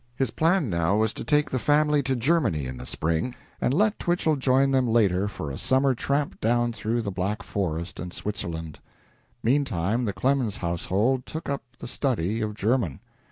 His plan now was to take the family to Germany in the spring, and let Twichell join them later for a summer tramp down through the Black Forest and Switzerland. Meantime the Clemens household took up the study of German.